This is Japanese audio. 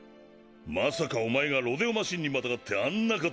まさかお前がロデオマシンにまたがってあんなことを！